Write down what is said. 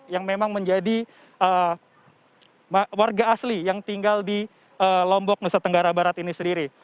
yang memang menjadi warga asli yang tinggal di lombok nusa tenggara barat ini sendiri